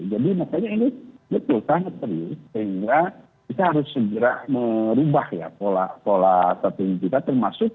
jadi makanya ini betul sangat serius sehingga kita harus segera merubah ya pola pola satu yang kita termasuk